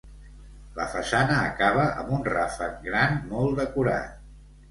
La façana acaba amb un ràfec gran molt decorat.